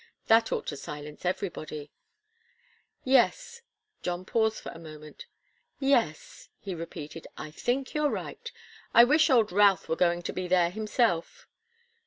That ought to silence everybody." "Yes." John paused a moment. "Yes," he repeated. "I think you're right. I wish old Routh were going to be there himself."